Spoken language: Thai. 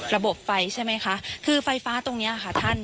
ระบบไฟใช่ไหมคะคือไฟฟ้าตรงนี้ค่ะท่าน